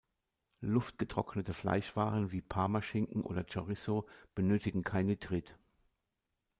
Luftgetrocknete Fleischwaren wie Parmaschinken oder Chorizo benötigen kein Nitrit.